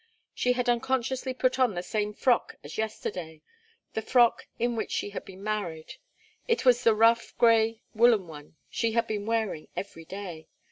She had unconsciously put on the same frock as yesterday the frock in which she had been married it was the rough grey woollen one she had been wearing every day.